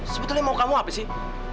sebetulnya mau kamu apa sih